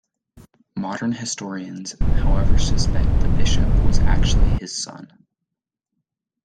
Modern historians however suspect the bishop was actually his son.